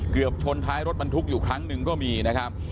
เกือบชนท้ายรถบรรทุกอยู่ครั้งหนึ่งก็มีนะครับ